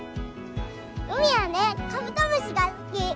うみはねカブトムシが好き！